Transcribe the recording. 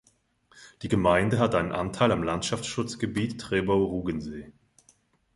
Die Gemeinde hat einen Anteil am Landschaftsschutzgebiet "Trebbow–Rugensee".